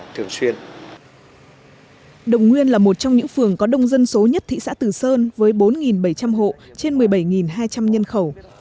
trong những phường có đông dân số nhất thị xã từ sơn với bốn bảy trăm linh hộ trên một mươi bảy hai trăm linh nhân khẩu